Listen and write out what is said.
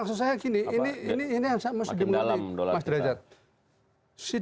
dengan mengun developkan subscribers